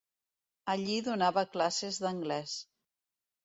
Allí donava classes d’anglès.